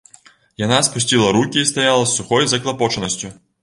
Яна спусціла рукі і стаяла з сухой заклапочанасцю.